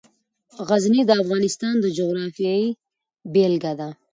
غزني د افغانستان د جغرافیې بېلګه ده.